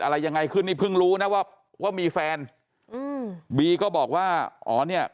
อะไรยังไงขึ้นนี่เพิ่งรู้นะว่าว่ามีแฟนอืมบีก็บอกว่าอ๋อเนี้ย